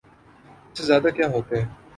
اس سے زیادہ کیا ہوتے؟